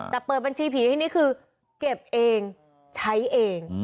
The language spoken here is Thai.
แต่เปิดบัญชีผีที่นี่คือเก็บเองใช้เอง